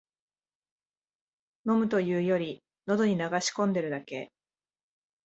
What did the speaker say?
飲むというより、のどに流し込んでるだけ